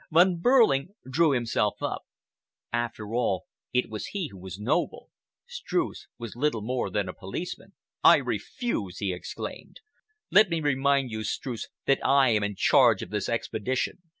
Von Behrling drew himself up. After all, it was he who was noble; Streuss was little more than a policeman. "I refuse!" he exclaimed. "Let me remind you, Streuss, that I am in charge of this expedition.